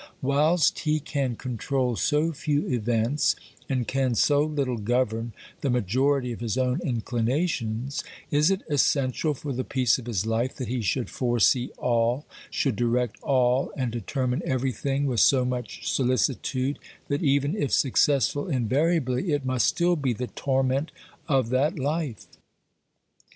Whilst he can control so few events, and can so little govern the majority of his own inclinations, is it essential for the peace of his life that he should foresee all, should direct all and deter mine everything with so much solicitude that, even if successful invariably, it must still be the torment of that Hfe